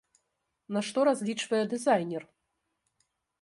На што разлічвае дызайнер?